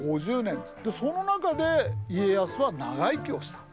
その中で家康は長生きをした。